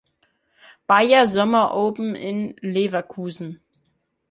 Bayer-Sommer-Open in Leverkusen.